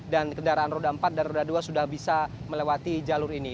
dan kendaraan roda empat dan roda dua sudah bisa melewati jalur ini